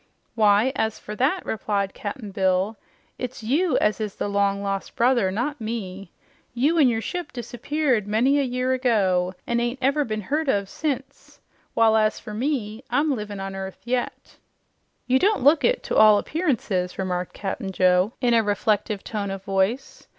"Why, as fer that," replied Cap'n Bill, "it's YOU as is the long lost brother, not me. You an' your ship disappeared many a year ago, an' ain't never been heard of since, while, as you see, I'm livin' on earth yet." "You don't look it to all appearances," remarked Cap'n Joe in a reflective tone of voice.